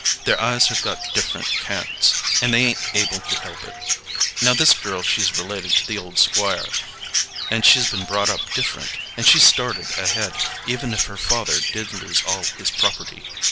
Their eyes have got different cants, and they ain't able to help it. Now this girl she's related to the old Squire, and she's been brought up different, and she started ahead, even if her father did lose all his property.